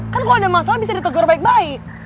kan kalau ada masalah bisa ditegur baik baik